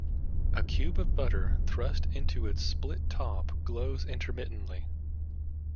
A cube of butter thrust into its split top glows intermittently.